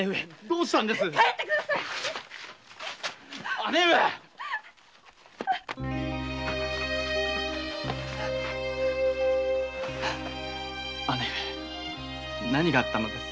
姉上何があったのです？